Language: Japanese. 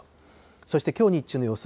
そしてきょう日中の予想